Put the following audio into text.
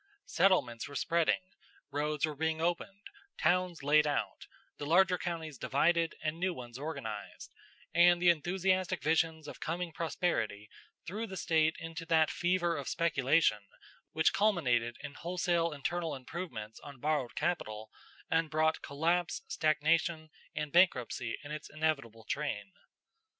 Settlements were spreading, roads were being opened, towns laid out, the larger counties divided and new ones organized, and the enthusiastic visions of coming prosperity threw the State into that fever of speculation which culminated in wholesale internal improvements on borrowed capital and brought collapse, stagnation, and bankruptcy in its inevitable train.